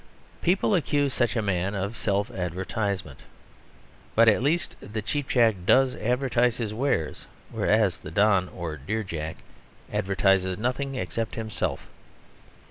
People accuse such a man of self advertisement. But at least the cheap jack does advertise his wares, whereas the don or dear jack advertises nothing except himself.